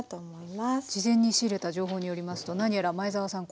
事前に仕入れた情報によりますと何やら前沢さん